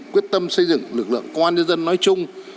quyết tâm xây dựng lực lượng công an nhân dân nói chung